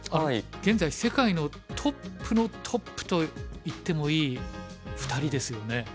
現在世界のトップのトップと言ってもいい２人ですよね。